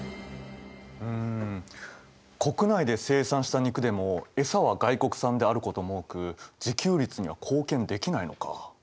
国内で生産した肉でも餌は外国産であることも多く自給率には貢献できないのか。